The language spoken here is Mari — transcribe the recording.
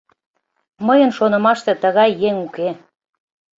Мыйын шонымаште, тыгай еҥ уке.